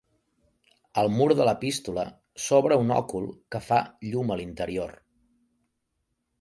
Al mur de l'epístola s'obre un òcul que fa llum a l'interior.